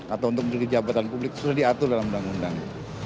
atau untuk menjadi jabatan publik sudah diatur dalam undang undang